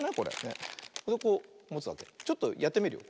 ちょっとやってみるよ。